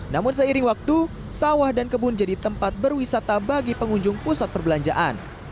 namun seiring waktu sawah dan kebun jadi tempat berwisata bagi pengunjung pusat perbelanjaan